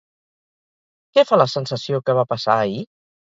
Què fa la sensació que va passar ahir?